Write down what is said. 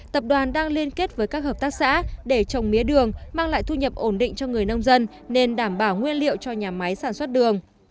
tập đoàn đang liên kết với các hợp tác xã để trồng mía đường mang lại thu nhập ổn định cho người nông dân nên đảm bảo nguyên liệu cho nhà máy sản xuất đường